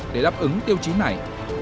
để đáp ứng tiêu chí này